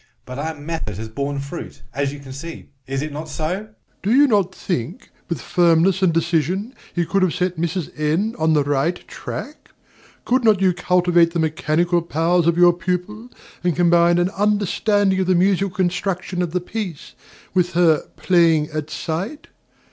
But our method has borne good fruit, as you can see. Is not it so? DOMINIE. Do you not think, with firmness and decision, you could have set Mrs. N. on the right track? Could not you cultivate the mechanical powers of your pupil, and combine an understanding of the musical construction of the piece, with her "playing at sight"?